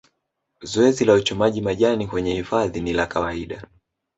Zoezi la uchomaji majani kwenye hifadhi ni la kawaida